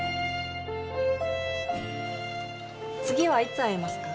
次はいつ会えますか？